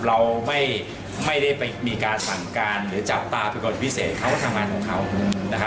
เราไม่ได้ไปมีการสั่งการหรือจับตาปรากฏพิเศษเขาก็ทำงานของเขานะครับ